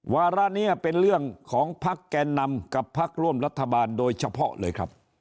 วาระนี้เป็นเรื่องของพักแกนนำกับพักร่วมรัฐบาลโดยเฉพาะเลยครับ